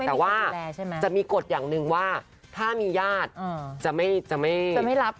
แต่ว่าจะมีกฎอย่างนึงว่าถ้ามีญาติจะไม่แยกออกมา